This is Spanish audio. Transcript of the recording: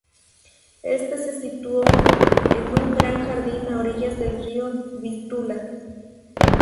Éste se situó en un gran jardín a orillas del río Vístula.